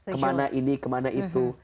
kemana ini kemana itu